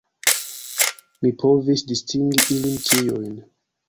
Mi povis distingi ilin ĉiujn.